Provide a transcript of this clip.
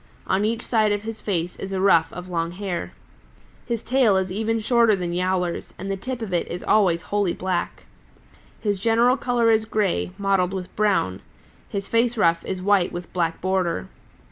On each side of his face is a ruff of long hair. His tail is even shorter than Yowler's, and the tip of it is always wholly black. His general color is gray, mottled with brown. His face ruff is white with black border.